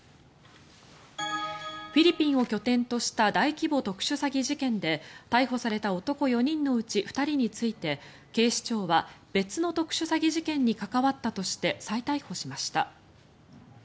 フィリピンを拠点とした大規模特殊詐欺事件で逮捕された男４人のうち２人について警視庁は別の特殊詐欺事件に関わったとして再逮捕しました。